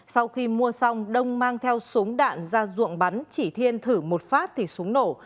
sau khi mua xong đông mang theo súng đạn ra ruộng bắn chỉ thiên thử một phát thì súng nổ